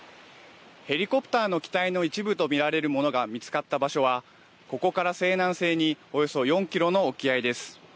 ヘリコプターの機体の一部と見られるものが見つかった場所はここから西南西におよそ４キロの沖合です。